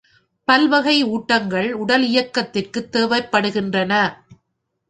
பல்வகை ஊட்டங்கள் உடலியக்கத்திற்குத் தேவைப்படுகின்றன.